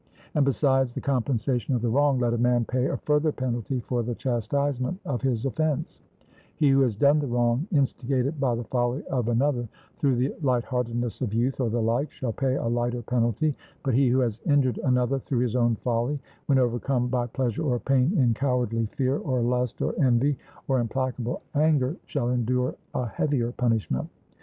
And besides the compensation of the wrong, let a man pay a further penalty for the chastisement of his offence: he who has done the wrong instigated by the folly of another, through the lightheartedness of youth or the like, shall pay a lighter penalty; but he who has injured another through his own folly, when overcome by pleasure or pain, in cowardly fear, or lust, or envy, or implacable anger, shall endure a heavier punishment.